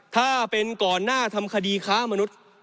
ถ้าเป็นก่อนหน้าทำคดีค้ามนุษย์